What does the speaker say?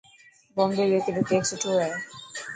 بمبي بيڪري روڪيڪ سٺو هي.